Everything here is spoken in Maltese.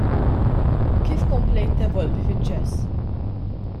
Kif komplejt tevolvi fiċ-ċess?